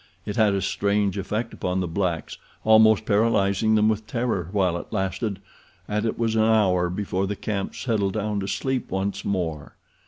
It had a strange effect upon the blacks, almost paralyzing them with terror while it lasted, and it was an hour before the camp settled down to sleep once more.